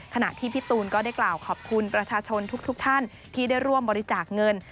ขณะที่พี่ตูนก็ได้กล่าวขอบคุณประชาชนทุกท่านที่ได้ร่วมบริจาคเงิน